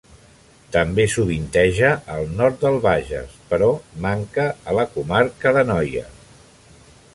També sovinteja al nord del Bages, però manca a la comarca d'Anoia.